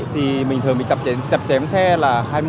thì mình thường chập chém xe là